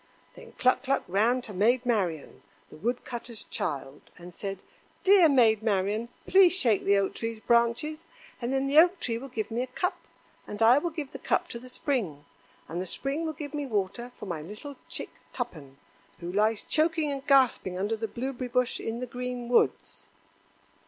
Then Cluck cluck ran to Maid Marian, the wood cutter's child, and said: "Dear Maid Marian, please shake the Oak tree's branches; and then the Oak tree will give me a cup, and I will give the cup to the Spring, and the Spring will give me water for my little chick Tuppen, who lies choking and gasping under the blueberry bush in the green woods."